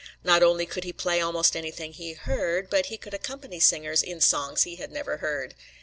Not only could he play almost anything he heard, but he could accompany singers in songs he had never heard.